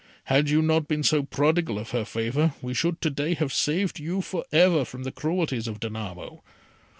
Had you not been so prodigal of her favour, we should to day have saved you for ever from the cruelties of Danamo.